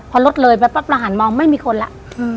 พอรถเลยแป๊บประหารมองไม่มีคนแล้ว